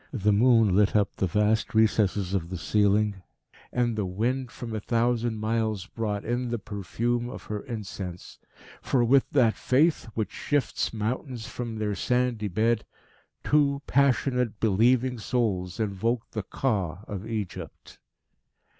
The moon lit up the vast recesses of the ceiling, and the wind from a thousand miles brought in the perfume of her incense. For with that faith which shifts mountains from their sandy bed, two passionate, believing souls invoked the Ka of Egypt.